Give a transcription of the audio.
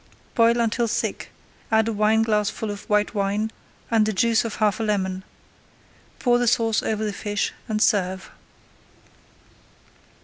Boil until thick, add a wineglassful of white wine and the juice of half a lemon. Pour the sauce over the fish and serve.